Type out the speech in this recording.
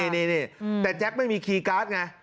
นี่แต่แจ็คไม่มีคีย์การ์ดไง